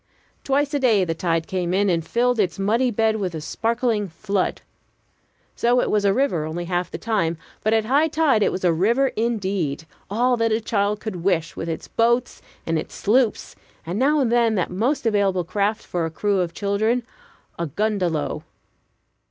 Twice a day the tide came in and filled its muddy bed with a sparkling flood. So it was a river only half the time, but at high tide it was a river indeed; all that a child could wish, with its boats and its sloops, and now and then that most available craft for a crew of children a gundalow.